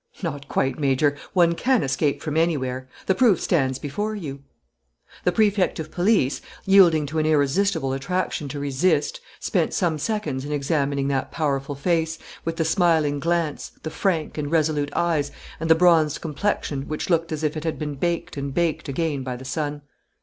"Not quite, Major; one can escape from anywhere. The proof stands before you." The Prefect of Police, yielding to an irresistible attraction to resist, spent some seconds in examining that powerful face, with the smiling glance, the frank and resolute eyes, and the bronzed complexion, which looked as if it had been baked and baked again by the sun.